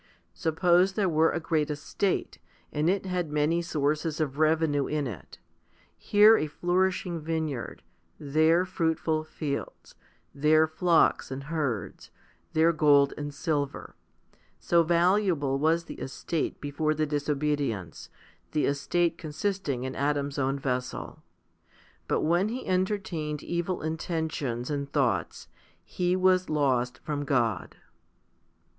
Suppose there were a great estate, and it had many sources of revenue in it ; here a nourishing vineyard, there fruitful fields, there flocks and herds, there gold and silver ; so valuable was the estate before the disobedience, the estate consisting in Adam's own vessel. But when he entertained evil intentions and thoughts, he was lost from God.